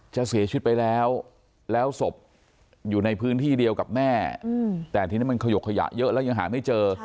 เสียชีวิตไปแล้วแล้วศพอยู่ในพื้นที่เดียวกับแม่แต่ทีนี้มันขยกขยะเยอะแล้วยังหาไม่เจอ